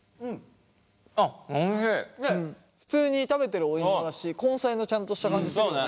ねっ普通に食べてるお芋だし根菜のちゃんとした感じするよね。